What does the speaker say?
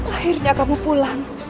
akhirnya kamu pulang